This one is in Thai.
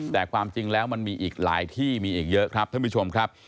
แต่ความจริงแล้วมันมีอีกหลายที่มีอีกเยอะครับท่านผู้ชมครับ